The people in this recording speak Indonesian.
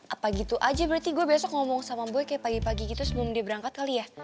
apa gitu aja berarti gue besok ngomong sama gue kayak pagi pagi gitu sebelum dia berangkat kali ya